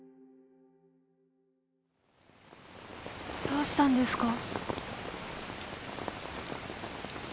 どうしたんですか？